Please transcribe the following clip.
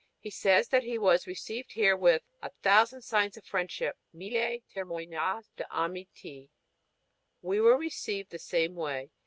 He says that he was received here "with a thousand signs of friendship" ("mille témoignages d'amitié"). We were received the same way.